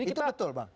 itu betul bang